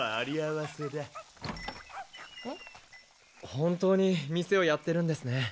本当に店をやってるんですね。